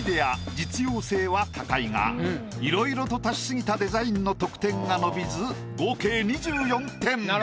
実用性は高いがいろいろと足し過ぎたデザインの得点が伸びず合計２４点。